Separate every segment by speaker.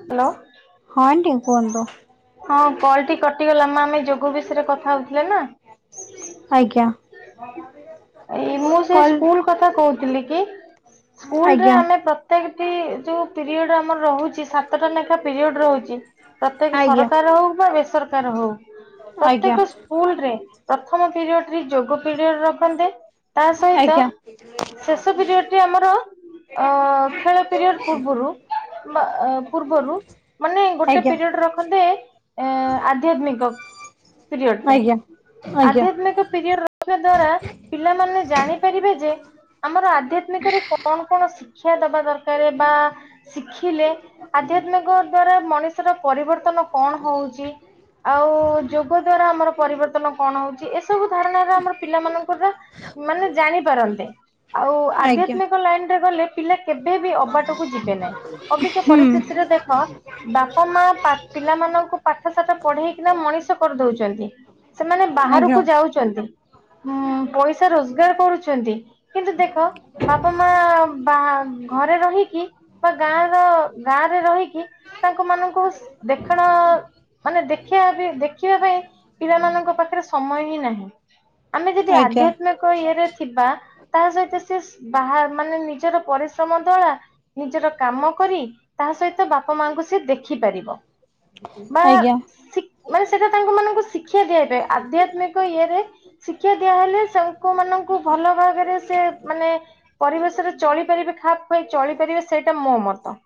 Speaker 1: Hello
Speaker 2: ହଁ aunty କୁହନ୍ତୁ।
Speaker 1: ହଁ କଲ୍ ଟି କଟିଗଲା ମା ଆମେ ଯୋଗ ବିଷୟରେ କଥା ହଉଥିଲେ ନା।
Speaker 2: ଆଜ୍ଞା
Speaker 1: ଏଇ ମୁଁ ସେ
Speaker 2: କଲ୍
Speaker 1: ସ୍କୁଲ୍ [unintelligible] କଥା କହୁଥିଲି କି ସ୍କୁଲ୍ ରେ
Speaker 2: ଆଜ୍ଞା
Speaker 1: ଆମେ ପ୍ର ସେଠି ଯୋଉ ପିରିୟଡ଼ ଆମର ରହୁଛି ସାତଟା ଲେଖା ପିରିୟଡ଼ ରହୁଛି। ପ୍ରତ୍ୟେକ
Speaker 2: ଆଜ୍ଞା
Speaker 1: ସରକାର ହଉ ବା ବେସରକାର ହଉ
Speaker 2: ଆଜ୍ଞା
Speaker 1: ପ୍ରତ୍ୟେକ ସ୍କୁଲ୍ ରେ ପ୍ରଥମ ପିରିୟଡ଼ ରେ ଯୋଗ ପିରିୟଡ଼ ରଖନ୍ତେ ତା ସହିତ
Speaker 2: ଆଜ୍ଞା
Speaker 1: ଶେଷ ପିରିୟଡ଼ ଟି ଆମର ଅ ଖେଳ ପିରିୟଡ଼ ପୂର୍ବରୁ ମା ପୂର୍ବରୁ ମାନେ ଗୋଟେ
Speaker 2: ଆଜ୍ଞା
Speaker 1: ପିରିୟଡ଼ ରଖନ୍ତେ ଏ ଅଧ୍ୟାତ୍ମିକ। ପିରିୟଡ଼
Speaker 2: ଆଜ୍ଞା
Speaker 1: [unintelligible]
Speaker 2: ଆଜ୍ଞା
Speaker 1: ଆଧ୍ୟାତ୍ମିକ ପିରିୟଡ଼ ଦ୍ଵାରା ପିଲାମାନେ ଜାଣିପାରିବେ ଯେ ଆମର ଆଧ୍ୟାତ୍ମିକରେ କଣ କଣ ଶିକ୍ଷା ଦବା ଦରକାରେ ବା ଶିଖିଲେ ଆଧ୍ୟାତ୍ମିକ ଦ୍ଵାରା ମଣିଷର ପରିବର୍ତ୍ତନ କଣ ହଉଛି। ଆଉ ଯୋଗ ଦ୍ଵାରା ଆମର ପରିବର୍ତ୍ତନ କଣ ହଉଛି ଏ ସବୁ ଧାରଣାରେ ଆମର ପିଲା ମାନଙ୍କର ମାନେ ଜାଣିପାରନ୍ତେ ଆଉ
Speaker 2: ଆଜ୍ଞା
Speaker 1: ଆଧ୍ୟାତ୍ମିକ ଲାଇନ୍ ରେ ଗଲେ ପିଲା କେବେ ବି ଅବାଟକୁ ଯିବେ ନାହିଁ ଅବିକା
Speaker 2: ହୁଁ
Speaker 1: ପରିସ୍ଥିତିରେ ଦେଖ ବାପା ମା ପା ପିଲାମାନଙ୍କୁ ପାଠ ସାଠ ପଢେଇକିନା ମଣିଷ କରିଦଉଛନ୍ତି। ସେମାନେ
Speaker 2: ଆଜ୍ଞା
Speaker 1: ବାହାରକୁ ଯାଉଛନ୍ତି ଉଁ ପଇସା ରୋଜଗାର କରୁଛନ୍ତି। କିନ୍ତୁ ଦେଖ ବାପା ମା ବା ଘରେ ରହିକି ବା ଗାଁ ର ଗାଁ ରେ ରହିକି ତାଙ୍କ ମାନଙ୍କୁ ଦେଖଣ ମାନେ ଦେଖିବା ବି ଦେଖିବା ପାଇଁ ପିଲାମାନଙ୍କ ପାଖରେ ସମୟ [unintelligible] ଆମେ ଯଦି
Speaker 2: ଆଜ୍ଞା
Speaker 1: ଆଧ୍ୟାତ୍ମି ଇଏରେ ଥିବା ତା ସହିତ ସେି ବା ମାନେ ନିଜର ପରିଶ୍ରମ ଦଳା ନିଜର କାମ କରି ତା ସହିତ ବାପା ମାଙ୍କୁ ସେ ଦେଖିପାରିବ। ମା
Speaker 2: ଆଜ୍ଞା
Speaker 1: ମାନେ ସେଟା ତାଙ୍କ ମାନଙ୍କୁ ଶିକ୍ଷା ଦିଆ ଆଧ୍ୟାତ୍ମିକ ଇଏରେ ଶିକ୍ଷା ଦିଆହେଲେ ଲୋକ ମାନଙ୍କୁ ଭଲ ଭାବରେ ସେ ମାନେ ପରିବେଶରେ ଚଳିପାରିବେ ଖାପ ଖୁଆଇ ଚଳିପାରିବେ ସେଇଟା ମୋ ମତ।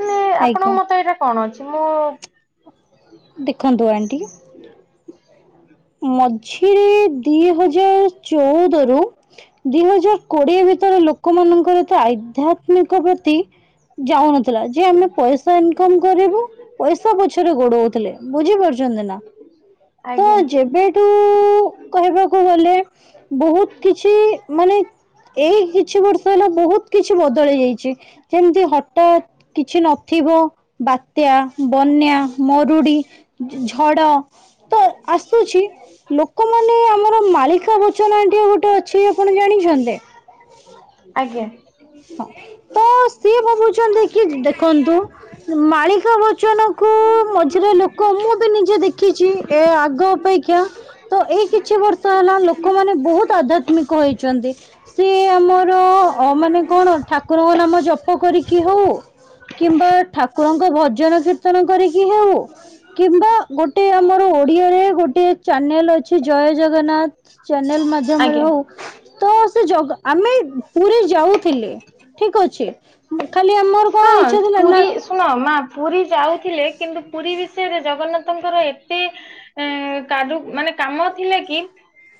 Speaker 1: ମାନେ ଆପଣ
Speaker 2: ଆଜ୍ଞା
Speaker 1: ମତେ ଏଇଟା କଣ ଅଛି ମୁଁ
Speaker 2: ଦେଖନ୍ତୁ ଆଣ୍ଟି
Speaker 1: [inaudible]
Speaker 2: ମଝିରେ ଦି ହଜାର ଚଉଦରୁ ଦି ହଜାର କୋଡିଏ ଭିତରେ ଲୋକମାନଙ୍କର ତ ଆଇଧ୍ୟାତ୍ମିକ ପ୍ରତି ଯାଉନଥିଲା ଯେ ଆମେ ପଇସା ଇନକମ କରିବୁ ପଇସା ପଛରେ ଗୋଡଉଥିଲେ ବୁଝି ପାରୁଛନ୍ତି ନା?
Speaker 1: ଆଜ୍ଞା।
Speaker 2: ଏବେଏଠୁ-କହିବାକୁ ଗଲେ ବହୁତ କିଛି ମାନେ ଏଇ କିଛି ବର୍ଷ ହେଲା ବହୁତ କିଛି ବଦଳି ଯାଇଛି ଯେମିତି ହ ହଠାତ କିଛି ନଥିବ ବାତ୍ୟା ବନ୍ୟା ମରୁଡି ଝଡ ତ ଆସୁଛି। ଲୋକମାନେ ଆମର ମାଳିକା ବଚନ ଆଣ୍ଟୀ ଗୋଟେ ଅଛି ଆପଣ ଜାଣିଛନ୍ତି?
Speaker 1: ଆଜ୍ଞା
Speaker 2: [inaudible] ତ ସିଏ ଭାବୁଛନ୍ତି କି ଦେଖନ୍ତୁ ମାଳିକା ବଚନକୁ ମଝିରେ ଲୋକ ମୁଁ ବି ନିଜେ ଦେଖିଛି ଏ ଆଗ ଅପେକ୍ଷା ତ ଏଇ କିଛି ବର୍ଷ ହେଲା ଲୋକମାନେ ବହୁତ ଆଧ୍ୟାତ୍ମିକ ହୋଇଛନ୍ତି। ସିଏ ଆମର ମାନେ କଣ ଠାକୁରଙ୍କ ନାମ ଜପ କରିକି ହଉ କିମ୍ବା ଠାକୁରଙ୍କ ଭଜନ କୀର୍ତ୍ତନ କରିକି ହଉ କିମ୍ବା ଗୋଟିଏ ଆମର ଓଡିଆରେ ଗୋଟିଏ ଚ୍ୟାନେଲ ଅଛି ଜୟ ଜଗନ୍ନାଥ ଚ୍ୟାନେଲ ମାଧ୍ୟମରେ
Speaker 1: ଆଜ୍ଞା।
Speaker 2: ହଉ ତ ସେ ଜଗା- ଆମେ ପୁରୀ ଯାଉଥିଲେ ଠିକ୍ ଅଛି ଖାଲି ଆମର
Speaker 1: ହଁ
Speaker 2: କଣ ଇଚ୍ଛା ଥିଲା ନା
Speaker 1: ପୁରୀ ଶୁଣ ମା ପୁରୀ ଯାଉଥିଲେ କିନ୍ତୁ ପୁରୀ ବିଷୟରେ ଜଗନ୍ନାଥଙ୍କର ଏତେ ଏ କାଦୁ ମାନେ କାମ ଥିଲା କି?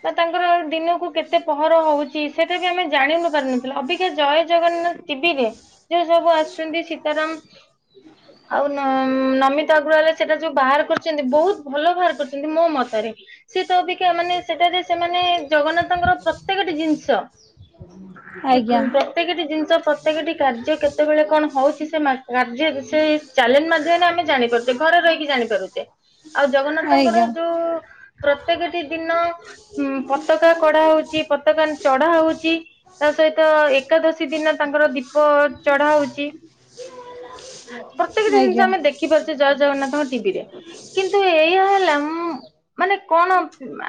Speaker 1: ତ ତାଙ୍କର ଦିନକୁ କେତେ ପହର ହୋଉଛି ସେଇଟା ବି ଆମେ ଜାଣିନୁ ପାରୁନଥିଲ ଅବିକା ଜୟ ଜଗନ୍ନାଥ ଟିଭିରେ ଯୋଉ ସବୁ ଆସୁଛନ୍ତି ସୀତାରାମ ଆଉ ନ-ନମିତା ଅଗ୍ରୱାଲ ସେଟା ଯୋଉ ବାହାର କରିଛନ୍ତି ବହୁତ ଭଲ ବାହାର କରିଛନ୍ତି ମୋ ମତରେ। ସିଏ ତ ଅବିକା ମାନେ ସେଠାରେ ସେମାନେ ଜଗନ୍ନାଥଙ୍କର ପ୍ରତ୍ୟେକଟି ଜିନିଷ କି
Speaker 2: ଆଜ୍ଞା
Speaker 1: ପ୍ରତ୍ୟେକଟି ଜିନିଷ ପ୍ରତ୍ୟେକଟି କାର୍ଯ୍ୟ କେତେବେଳେ କଣ ହଉଛି ସେ ମା-କାର୍ଯ୍ୟ ସେ କାର୍ଯ୍ୟ ବିଷୟୀ ଚ୍ୟାଲେଞ୍ଜ ମା ଆମେ ଜାଣିପାରୁଛେ ଘରେ ରହିକି ଜାଣିପାରୁଛେ ଆଉ ଜଗନ୍ନାଥଙ୍କର
Speaker 2: ଆଜ୍ଞା
Speaker 1: ଯୋଉ ପ୍ରତ୍ୟକଟି ଦିନ ଉଁ ପତାକା କଢା ହୋଉଛି ପତାକା ଚଢା ହୋଉଛି ତା ସହିତ ଏକାଦଶୀ ଦିନ ତାଙ୍କର ଦୀପ ଚଢା ହୋଉଛି। ପ୍ରତ୍ୟେକଟି ଜିନିଷ
Speaker 2: ଆଜ୍ଞା।
Speaker 1: ଆମେ ଦେଖ ଦେଖପାରୁଛେ ଜୟ ଜଗନ୍ନାଥଙ୍କ ଟିଭିରେ କିନ୍ତୁ ଏଇଆ ହେଲା ମୁଁ ମାନେ କଣ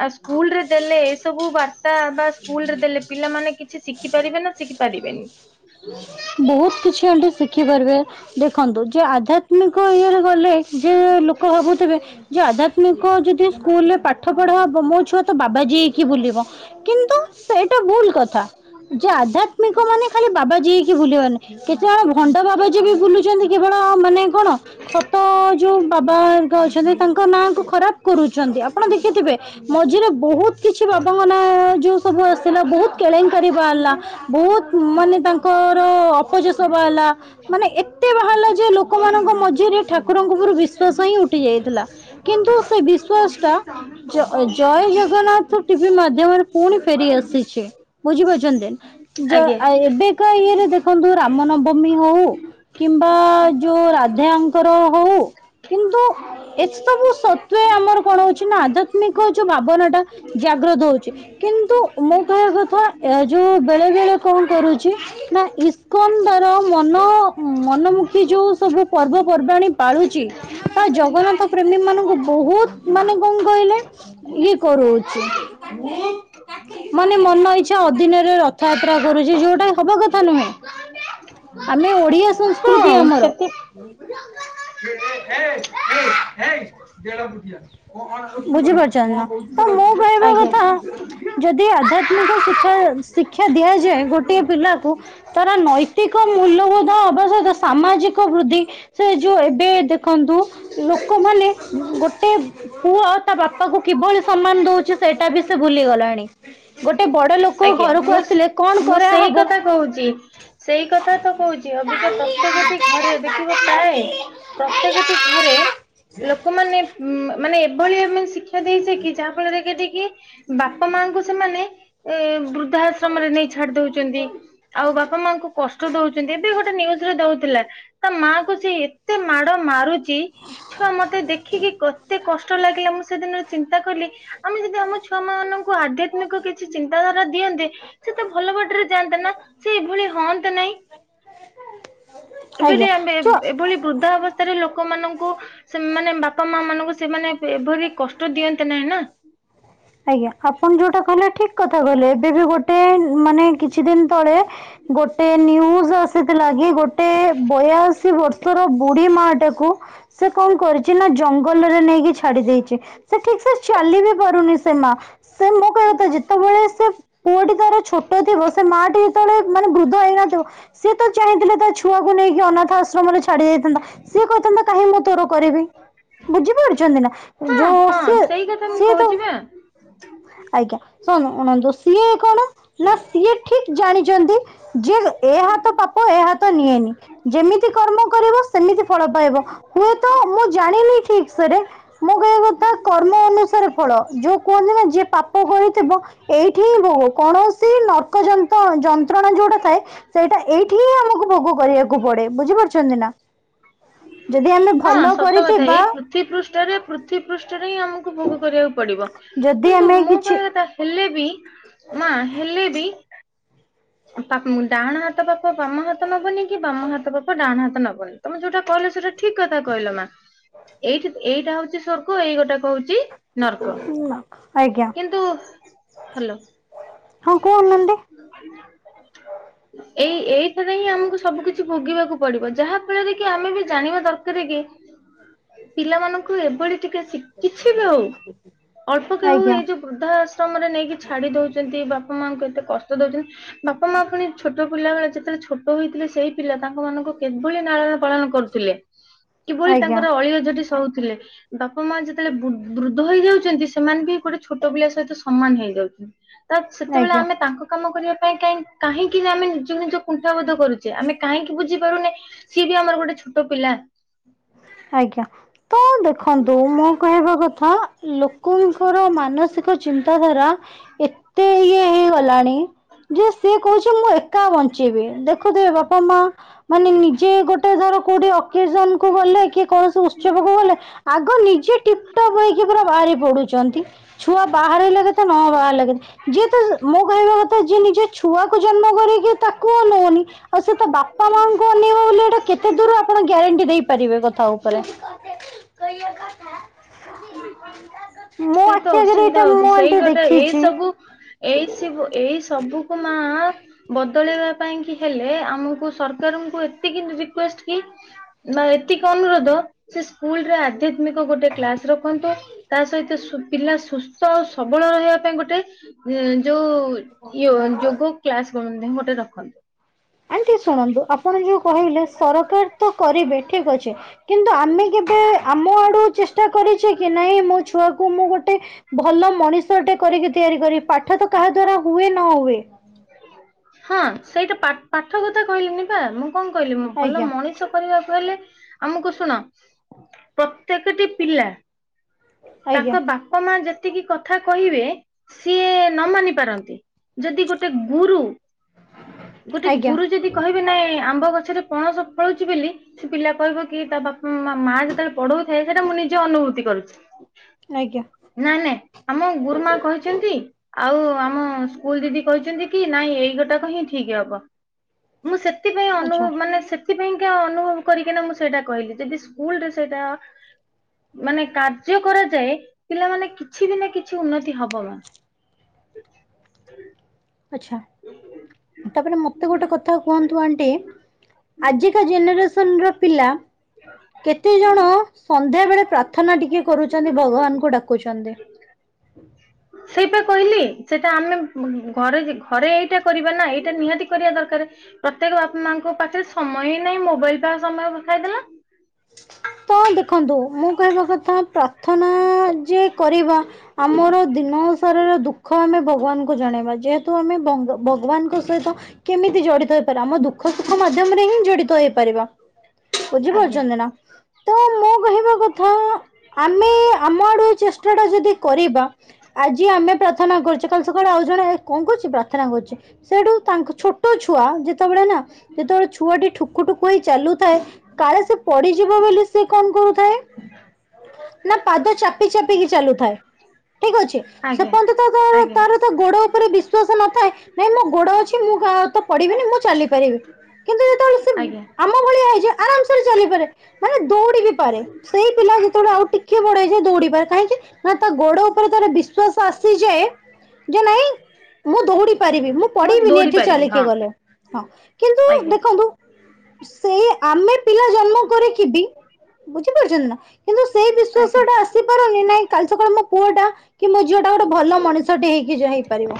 Speaker 1: ଆ ସ୍କୁଲରେ ଦେଲେ ଏ ସବୁ ବା ତା ବା ସ୍କୁଲରେ ଦେଲେ ପିଲାମାନେ କିଛି ଶିଖି ପାରିବେ ନା ଶିଖି ପାରିବେନି?
Speaker 2: ବୋହୁତ କିଛି ଆଣ୍ଟି ଶିଖି ପାରିବେ। ଦେଖନ୍ତୁ ଯେ ଆଧ୍ୟାତ୍ମିକ ଇଏରେ ଗଲେ ଯେ ଲୋକ ଭାବୁଥିବେ ଯେ ଆଧ୍ୟାତ୍ମିକ ଯଦି ସ୍କୁଲରେ ପାଠ ପଢା ହବ ମୋ ଛୁଆ ତ ବାବାଜୀ ହେଇକି ବୁଲିବ। କିନ୍ତୁ ସେଇଟା ଭୁଲ କଥା। ଯେ ଆଧ୍ୟାତ୍ମିକ ମାନେ ଖାଲି ବାବାଜୀ ହେଇକି ବୁଲିିବା ନୁହେଁ କେତେଜଣ ଭ ଭଣ୍ଡ ବାବାଜୀ ବି ବୁଲୁଛନ୍ତି କେବଳ ମାନେ କଣ ସତ ଯଉ ବାବା ଙ୍କ ଅଛନ୍ତି ତାଙ୍କ ନାଁ କୁ ଖରାପ୍ କରୁଚନ୍ତି ଆପଣ ଦେଖିଥିବେ ମଝିରେ ବହୁତ୍ କିଛି ବାବାଙ୍କ ନାଁ ଯୋଉ ସବୁ ଆସିଲା ବହୁତ କେଳେଙ୍କାରୀ ବାହାରିଲା ବହୁତ ମାନେ ତାଙ୍କର ଅପଯଶ ବାହାରିଲା ମାନେ ଏତେ ବାହାରିଲା ଯେ ଲୋକମାନଙ୍କ ମଝିରେ ଠାକୁରଙ୍କ ଉପୁରୁ ବିଶ୍ଵାସ ହିଁ ଉଠି ଯାଇଥିଲା। କିନ୍ତୁ ସେ ବିଶ୍ଵାସ ଟା ଜ-ଜୟ ଜଗନ୍ନାଥ ଟିଭି ମା ମାଧ୍ୟମରେ ପୁଣି ଫେରି ଆସିଚି ବୁଝିପାରୁଚନ୍ତି
Speaker 1: ଆଜ୍ଞା
Speaker 2: ଜ-ଆ- ଏବେ କା ଇଏରେ ଦେଖନ୍ତୁ ରାମ ନବମୀ ହଉ କିମ୍ବା ଯଉ ରାଜାଙ୍କର ହଉ କିନ୍ତୁ ଏସବୁ ସତ୍ତ୍ୱେ ଆମର କଣ ହଉଚି ନା ଆଧ୍ୟାତ୍ମିକ ଯଉ ଭାବନା ଟା ଜାଗ୍ରତ ହଉଚି। କିନ୍ତୁ ମୁଁ କହିବା କଥା ଏ ଯଉ ବେଳେ ବେଳେ କଣ କରୁଚି ନା ଇସ୍କନ୍ ଧରମ୍ ମନ -ମନମୁଖୀ ଯଉ ସବୁ ପର୍ବପର୍ବାଣୀ ପାଳୁଚି ତା ଜଗନ୍ନାଥ ପ୍ରେମୀ ମାନଙ୍କୁ ବହୁତ୍ ମାନେ କଣ କହିଲେ ଇଏ କରଉଚି।
Speaker 1: ହ [inaudible]
Speaker 2: ମାନେ ମନ ଇଚ୍ଛା ଅଧିନରେ ରଥଯାତ୍ରା କରୁଚି ଯଉଟା ହବା କଥା ନୁହେଁ।
Speaker 1: [inaudible]
Speaker 2: ଆମେ ଓଡ଼ିଆ
Speaker 1: ହଁ
Speaker 2: ସଂସ୍କୃତି ଆମର। [inaudible]
Speaker 1: ସେଥି
Speaker 2: ବୁଝିପାରୁଚନ୍ତି ନା। ତ ମୁଁ କହିବା
Speaker 1: ଆଜ୍ଞା।
Speaker 2: କଥା ଯଦି ଆଧ୍ୟାତ୍ମିକ ଶିକ୍ଷା -ଶିକ୍ଷା ଦିଆଯାଏ ଗୋଟିଏ ପିଲାକୁ ତାର ନୈତିକ ମୂଲ୍ୟବୋଧ ହବା ସହିତ ସାମାଜିକ ବୃଦ୍ଧି ସେ ଯଉ ଏବେ ଦେଖନ୍ତୁ ଲୋକମାନେ ଗୋଟେ ପୁଅ ତା ବାପା କୁ କିଭଳି ସମ୍ମାନ ଦଉଚି ସେଇଟା ବି ସେ ଭୁଲି ଗଲାଣି ଗୋଟେ ବଡ ଲୋକ
Speaker 1: ଆଜ୍ଞା
Speaker 2: ଘରକୁ
Speaker 1: ମୁଁ
Speaker 2: ଆସିଲେ କଣ
Speaker 1: ସେ- ମୁଁ ସେଇ
Speaker 2: କରାହବ
Speaker 1: କଥା କହୁଚି ସେଇ କଥା ତ କହୁଚି। ଚି ଅବିକା ପ୍ରତ୍ୟେକଟି ଘରେ ଦେଖିବା ପ୍ରାୟେ ପ୍ରତ୍ୟେକ ଟି ଘରେ ଲୋକମାନେ ଉଁ- ମାନେ ଏଭଳି ଆମେ ଶିକ୍ଷା ଦେଇଚେ କି ଯାହା ଫଳରେ ଏତିକି ବାପା ମାଙ୍କୁ ସେମାନେ ଏ ବୃଦ୍ଧା ଆଶ୍ରମରେ ନେଇ ଛାଡି ଦଉଚନ୍ତି। ଆଉ ବାପା ମାଙ୍କୁ କଷ୍ଟ ଦଉଚନ୍ତି ଏବେ ଗୋଟେ ନିଉଜ୍ ରେ ଦଉଥିଲା। ତା ମାଆ କୁ ସେ ଏତେ ମାଡ ମାରୁଚ୍ ଚି ଛୁଆ ମତେ ଦେଖିକି କେତେ କଷ୍ଟ ଲାଗିଲା ମୁଁ ସେଦିନ ଚିନ୍ତା କଲି ଆମେ ଯଦି ଆମ ଛୁଆ ମାନଙ୍କୁ ଆଧ୍ୟାତ୍ମିକ କି କିଛି ଚିନ୍ତାଧାରା ଦିଅନ୍ତେ ସେ ତ ଭଲ ବାଟରେ ଯାଆନ୍ତେ ନା ସେ ଏଭଳି ହଅନ୍ତେ ନାହିଁ। ଏବେ
Speaker 2: ଆଜ୍ଞା
Speaker 1: ବି ଆମେ
Speaker 2: ଯୋଉ
Speaker 1: ଏ-ଏଭଳି ବୃଦ୍ଧା ଅବସ୍ ହେରା ଲୋକମାନଙ୍କୁ ସେ ମାନେ ବାପା ମା ମାନଙ୍କୁ ସେମାନେ ଏ-ଏଭଳି କଷ୍ଟ ଦିଅନ୍ତେ ନାହିଁ ନା।
Speaker 2: ଆଜ୍ଞା ଆପଣ ଯଉଟା କହିଲେ ଠିକ୍ କଥା କହିଲେ ଏବେବି ଗୋଟେ ମାନେ କିଛି ଦିନ୍ ତଳେ ଗୋଟେ ନ୍ୟୁଜ୍ ଆସିଥିଲା କି ଗୋଟେ ବୟାଅଶୀ ବର୍ଷର ବୁଢୀ ମାଆ ଟାକୁ ସେ କଣ କରିଚି ନା ଜଙ୍ଗଲରେ ନେଇକି ଛାଡି ଦେଇଚି ସେ ଠିକ୍ ସେ ଚାଲି ବି ପାରୁନି ସେ ମା ସେ ମୋ କହିବା କଥା ଯେତେବେଳେ ସେ ପୁଅଟି ତାର ଛୋଟ ଥିବ ସେ ମାଆଟି ଯେତେବେଳେ ମାନେ ବୃଦ୍ଧ ହେଇନଥିବ ସିଏ ତ ଚାହିଁଥିଲେ ତା ଛୁଆକୁ ନେଇକି ଅନାଥ ଆଶ୍ରମରେ ଛାଡି ଦେଇଥାନ୍ତା ସିଏ କହିଥାନ୍ତା କାହିଁ ମୁଁ ତୋର କରିବି ବୁଝିପାରୁଚନ୍ତି ନା।
Speaker 1: ହଁ
Speaker 2: ଏ-ଯଉ
Speaker 1: ହଁ
Speaker 2: ସିଏ
Speaker 1: ସେଇ କଥା ମୁଁ
Speaker 2: -ସିଏ ତ
Speaker 1: କହୁଛି
Speaker 2: ଆଉ
Speaker 1: ବା
Speaker 2: ଆଜ୍ଞା ଶୁଣନ୍ତୁ ଯଉ ସିଏ କଣ ନା ସିଏ ଠିକ୍ ଜାଣିଚନ୍ତି ଯେ- ଏ ହାତ ପାପ ଏ ହାତ ନିଏନି। ଯେମିତି କର୍ମ କରିବ ସେମିତି ଫଳ ପାଇବ ହୁଏତ ମୁଁ ଜାଣିନି ଠିକ୍ ସେ ରେ ମୋ କହିବା କଥା କର୍ମ ଅନୁସାରେ ଫଳ ଯଉ କୁହନ୍ତି ନାହିଁ ଯିଏ ପାପ କରିଥିବ ଏଇଠି ହିଁ ଭୋ- କୌଣସି ନର୍କ ଯନ୍ତ- ଯନ୍ତ୍ରଣା ଯଉଟା ଥାଏ ସେଇଟା ଏଇଠି ହିଁ ଆମକୁ ଭୋଗ କରିବାକୁ ପଡେ ବୁଝିପାରୁଚନ୍ତି ନା। ଯଦି ଆମେ ବ
Speaker 1: ହଁ
Speaker 2: ଫଲୋ
Speaker 1: ସତ କଥା
Speaker 2: କରିଥିବା
Speaker 1: ଏଇ ପୃଥିବୀ ପୃଷ୍ଠରେ ପୃଥିବୀ ପୃଷ୍ଠରେ ହିଁ ଆମକୁ ଭୋଗ କରିବାକୁ ପଡିବ।
Speaker 2: ଯଦି
Speaker 1: କିନ୍ତୁ
Speaker 2: ଆମେ
Speaker 1: ମୁଁ
Speaker 2: କିଛି
Speaker 1: କହିବା ଥା ହେଲେ ବି ମା ହେଲେ ବି ପାପ ଡାହାଣ ହାତ ପାପ ବାମ ହାତ ନବନି କି ବାମ ହାତ ପାପ ଡାହାଣ ହାତ ନବନି। ତମେ ଯୋଉଟା କହିଲ ସେଟା ଠିକ କଥା କହିଲ ମା ଏଇଠି ଏଇଟା ହଉଛି ସ୍ଵର୍ଗ ଏଇ ଗୋଟାକ ହଉଛି ନର୍କ
Speaker 2: ଆଜ୍ଞା
Speaker 1: କିନ୍ତୁ ହାଲୋ।
Speaker 2: ହଁ କହୁନାହାନ୍ତି।
Speaker 1: [inaudible] ଏଇ ଏଇଠାରେ ହିଁ ଆମକୁ ସବୁ କିଛି ଭୋଗିବାକୁ ପଡିବ ଯାହା ଫଳରେ କି ଆମେ ବି ଜାଣିବା ଦରକାର କି ପିଲାମାନଙ୍କୁ ଏଭଳି ଟିକେ ଶିକ କିଛି ବି ହଉ ଅଳ୍ପକ ହଉ ଏ
Speaker 2: ଆଜ୍ଞା।
Speaker 1: ଯୋଉ ବୃଦ୍ଧା ଆଶ୍ରମରେ ନେଇକି ଛାଡି ଦଉଛନ୍ତି ବାପା ମାଙ୍କୁ ଏତେ କଷ୍ଟ ଦଉଛନ୍ତି ବାପା ମା ପୁଣି ଛୋ ଛୋଟ ପିଲାବେଳେ ଯେତେବେଳେ ଛୋଟ ହେଇଥିଲେ ସେଇ ପିଲା ତାଙ୍କ ମାନଙ୍କୁ କିଭଳି ନାଳନ ପାଳନ କରୁଥିଲେ କିଭଳି
Speaker 2: ଆଜ୍ଞା
Speaker 1: ତାଙ୍କର ଅଳିଆ ଅଝଟି ସହୁଥିଲେ ବାପା ମା ଯେତେବେଳେ ବୃ ବୃଦ୍ଧ ହେଇଯାଉଛନ୍ତି ସେମାନେ ବି ଗୋଟେ ଛୋଟ ପିଲା ସହିତ ସମାନ ହେଇଯାଉଛନ୍ତି ତ ସେତେବେଳେ
Speaker 2: ଆଜ୍ଞା
Speaker 1: ଆମେ ତାଙ୍କ କାମ କରିବା ପାଇଁ କାହିଁ କାହିଁକି ନା ଆମେ ନିଜକୁ ନିଜ କୁଣ୍ଠାବୋଧ କରୁଛେ ଆମେ କାହିଁକି ବୁଝିପାରୁନି ସିଏ ବି ଆମର ଗୋଟେ ଛୋଟ ପିଲା।
Speaker 2: ଆଜ୍ଞା। ତ ଦେଖନ୍ତୁ ମୁଁ କହିବା କଥା ଲୋକଙ୍କର ମାନସିକ ଚିନ୍ତାଧାରା ଏତେ ଇୟ ହେଇଗଲାଣି ଯେ ସିଏ କହୁଛି ମୁଁ ଏକା ବଞ୍ଚେଇବି ଦେଖୁଥିବେ ବାପା ମା ମାନେ ନିଜେ ଗୋଟେ ଧର କୋଉଠି ଅକେଜନ କୁ ଗଲେ କୌଣସି ଉତ୍ସବକୁ ଗଲେ ଆଗ ନିଜେ ଟିପ୍ ଟପ୍ ହେଇକି ପୁରା ବାହାରି ପଡୁଛନ୍ତି। ଛୁଆ ବାହାର ହେଲେ କେତେ ତ ନ ବାହାର ହେଲେ କେତେ ଯିଏ ତ ମୋ କହିବା କଥା ଯିଏ ନିଜ ଛୁଆକୁ ଜନ୍ମ କରରେ କିି ତାକୁ ଅନଉନି ଆଉ ସେ ତ ବାପା ମାଙ୍କୁ ଅନେଇବା ବୋଲି ଏଇଟା କେତେ ଦୂର ଆପଣ ଗ୍ୟାରେଣ୍ଟି ଦେଇପାରିବେ? ତା ଉପରେ [unintelligible]
Speaker 1: ସେଇ ତ
Speaker 2: ଆଖି ଆଗରେ
Speaker 1: ଅସୁବିଧା
Speaker 2: ଏଇଟା ମୁଁ
Speaker 1: ହଉଛି ସେଇ
Speaker 2: ଆଣ୍ଟି
Speaker 1: ଗୋଟେ ଏଇ
Speaker 2: ଦେଖିଛି।
Speaker 1: ସବୁ ଏଇ ସୁବୁ ଏଇ ସବୁକୁ ମା ବଦଳେଇବା ପାଇଁ କି ହେଲେ ଆମକୁ ସରକାରଙ୍କୁ ଏତିକି ରିକୁଏଷ୍ଟ କି ବା ଏତିକି ଅନୁରୋଧ ସେ ସ୍କୁଲରେ ଆଧ୍ୟାତ୍ମିକ ଗୋଟେ କ୍ଲାସ ରଖନ୍ତୁ ତା ସହିତ ପିଲା ସୁସ୍ଥ ଆଉ ସବଳ ରହିବା ପାଇଁ ଗୋଟେ ଯୋଉ ଇଏ ଯୋଗ କ୍ଲାସ କର ଗୋଟେ ରଖନ୍ତୁ।
Speaker 2: ଆଣ୍ଟି ଶୁଣନ୍ତୁ ଆପଣ ଯୋଉ କହିଲେ ସରକାର ତ କରିବେ ଠିକ ଅଛି କିନ୍ତୁ ଆମେ କେବେ ଆମ ଆଡୁ ଚେଷ୍ଟା କରିଛେ କି ନାଇଁ ମୋ ଛୁଆକୁ ମୁଁ ଗୋଟେ ଭଲ ମଣିଷଟେ କରିକି ତିଆରି କରି ପାଠ ତ କାହା ଦ୍ଵାରା ହୁଏ ନ ହୁଏ।
Speaker 1: ହଁ ସେଇଟା ପାଠ କଥା କହିଲିିନି ବା ମୁଁ କଣ କହିଲି ଭଲ
Speaker 2: ଆଜ୍ଞା
Speaker 1: ମଣିଷ କରିବାକୁ ହେଲେ ଆମକୁ ଶୁଣ ପ୍ରତ୍ୟେକଟି ପିଲା
Speaker 2: ଆଜ୍ଞା
Speaker 1: ତାଙ୍କ ବାପା ମା ଯେତେ ଏତିକି କଥା କହିବେ ସିଏ ନ ମାନି ପାରନ୍ତି ଯଦି ଗୋଟେ ଗୁରୁ ଗୋଟେ
Speaker 2: ଆଜ୍ଞା
Speaker 1: ଗୁରୁ ଯଦି କହିବେ ନାଇଁ ଆମ୍ବ ଗଛରେ ପଣସ ଫଳୁଛି ବୋଲି କି ପିଲା କହିବ କି ତା ବାପା ମା ଯେତେବେଳେ ପଢଉଥାଏ ସେଇଟା ମୁଁ ନିଜେ ଅନୁଭୂତି କରୁଛି।
Speaker 2: ଆଜ୍ଞା।
Speaker 1: ନାଇ ନାଇଁ ଆମ ଗୁରୁମା କହିଛନ୍ତି ଆଉ ଆମ ସ୍କୁଲ ଦିଦି କହିଛନ୍ତି କି ନାଇଁ ଏଇଗୋଟାକ ହିଁ ଠିକ ହବ ମୁଁ ସେଥିପାଇଁ ଅନୁଭବ
Speaker 2: ଆଚ୍ଛା।
Speaker 1: ମାନେ ସେଥିପାଇଁକା ଅନୁଭବ କରିକିନା ମୁଁ ସେଇଟା କହିଲି ଯଦି ସ୍କୁଲ ରେ ସେଇଟା ମାନେ କାର୍ଯ୍ୟ କରାଯାଏ ପିଲାମାନେ କିଛି ବି ନା କିଛି ଉନ୍ନତି ହବ।
Speaker 2: ଆଚ୍ଛା। ତାପରେ ମତେ ଗୋଟେ କଥା କୁହନ୍ତୁ ଆଣ୍ଟି ଆଜିକା ଜେନେରେସ [unintelligible] କେତେ ଜଣ ସନ୍ଧ୍ୟା ବେଳେ ପ୍ରାର୍ଥନା ଟିକେ କରୁଛନ୍ତି ଭଗବାନଙ୍କୁ ଡାକୁଛନ୍ତି?
Speaker 1: ସେ ବେ କହିଲି ସେଟା ଆମେ ଘରେ ଘରେ ଏଇଟା କରିବା ନା ଏଇଟା ନିହାତି କରିବା ଦରକାରେ। ପ୍ରତ୍ୟେକ ବାପା ମାଙ୍କ ପାଖରେ ସମୟ ହିଁ ନାହିଁ ମୋବାଇଲ ପାଖ ସମୟ ପଖାଇଦେଲା।
Speaker 2: ତ ଦେଖନ୍ତୁ ମୁଁ କହିବା କଥା ପ୍ରାର୍ଥନା ଯେ କରିବା ଆମର ଦିନସାରାର ଦୁଃଖ ଆମେ ଭଗବାନଙ୍କୁ ଜଣେଇବା ଯେହେତୁ ଆମେ ଭ ଭଗବାନଙ୍କ ସହିତ କେମିତି ଜଡିତ ହେଇପାରିବା ଆମ ଦୁଃଖ ସୁଖ ମାଧ୍ୟମରେ ହିଁ ଜଡିତ ହୋଇପାରିବା।
Speaker 1: ଆଜ୍ଞା
Speaker 2: ବୁଝିପାରୁଚନ୍ତି ନା? ଇବା କଥା ଆଉ ଆମେ ଆମ ଆଡୁ ଚେଷ୍ଟାଟା ଯଦି କରିବା ଆଜି ଆମେ ପ୍ରା ପ୍ରାର୍ଥନା କରୁଚେ କାଲି ସକାଳେ ଆଉ ଜଣେ ଏ କଣ କରୁଛି ପ୍ରାର୍ଥନା କରୁଚି। ସେଠୁ ତାଙ୍କ ଛୋଟ ଛୁଆ ଯେତେବେଳେ ନା ଯେତେବେଳେ ଛୁଆଟି ଠୁକୁ ଠୁକୁ ହେଇ ଚାଲୁଥାଏ କାଳେ ସେ ପଡିିଯିବ ବୋଲି ସେ କଣ କରୁଥାଏ ନା ପାଦ ଚାପି ଚାପିକି ଚାଲୁଥାଏ, ଠିକ୍ ଅଛି ସେ
Speaker 1: ଆଜ୍ଞା
Speaker 2: ପର୍ଯ୍ୟନ୍ତ ତ
Speaker 1: ଆଜ୍ଞା
Speaker 2: ତାର ତ ଗୋଡ ଉପରେ ବିଶ୍ଵାସ ନଥାଏ ନାଇଁ ମୋ ଗୋଡ ଅଛି ମୁଁ ତ ପଡିବିନି ମୁଁ ଚାଲିପାରିବି।
Speaker 1: ଆଜ୍ଞା।
Speaker 2: ଆମ ଭଳିଆ ହେଇଯିବ ଆରାମସରେ ଚାଲିପାରେ ମାନେ ଦୌଡି ବି ପାରେ। ସେଇ ପିଲା ଯେତେବେଳେ ଆଉ ଟିକିଏ ବଡ ହେଇଯାଏ ଦୌଡିିପାରେ କାହିଁକି? ନା ତା ଗୋଡ ଉପରେ ତାର ବିଶ୍ୱାସ ଆସିଯାଏ ଯେ ନାଇଁ ମୁଁ ଦୌଡିପାରିବି, ମୁଁ ପଡିବିନି
Speaker 1: ଦୌଡି
Speaker 2: ଏଠି
Speaker 1: ପାରିବି
Speaker 2: ଚାଲିକି
Speaker 1: ହଁ
Speaker 2: ଗଲେ ହଁ କିନ୍ତୁ
Speaker 1: ଆଜ୍ଞା।
Speaker 2: ଦେଖନ୍ତୁ ସେଇ ଆମେ ପିଲା ଜନ୍ମକରିକି ବି ବୁଝିପାରୁଛନ୍ତି ନା? କିନ୍ତୁ ସେଇ
Speaker 1: ଆଜ୍ଞା
Speaker 2: ବିଶ୍ୱାସଟା ଆସିପାରେନି ନାଇଁ କାଲି ସକାଳେ ମୋ ପୁଅ ମଟା କି ମୋ ଝିଅଟା ଗୋଟେ ଭଲ ମଣି ଷଟେ ହେଇକି ଯାଇପାରିବ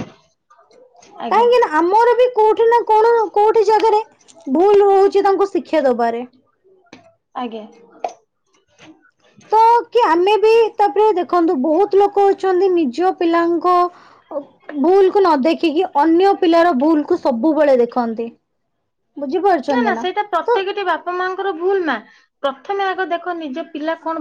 Speaker 1: ଆଜ୍ଞା
Speaker 2: କାହିଁକି ନା ଆମର ବି କୋଉଠି ନା କଣ କୋଉଠି ଜାଗାରେ ଭୁଲ ହଉଚି ତାଙ୍କୁ ଶିକ୍ଷା ଦବାରେ।
Speaker 1: ଆଜ୍ଞା।
Speaker 2: ତ କି ଆମେ ବି ତାପରେ ଦେଖନ୍ତୁ ବହୁତ ଲୋକ ଅଛନ୍ତି ନିଜ ପିଲାଙ୍କୁ ଭୁଲ କୁ ନ ଦେଖିକି ଅନ୍ୟ ପିଲାର ଭୁଲ କୁ ସବୁବେଳେ ଦେଖନ୍ତି। ବୁଝିପାରୁୁ
Speaker 1: ନା ନା ସେଇଟା ପ୍ରତ୍ୟେକେଟି ବାପା ମାଆଙ୍କର ଭୁଲ ନା ପ୍ରଥମେ ଆଗ ଦେଖ ନିଜ ପିଲା କଣ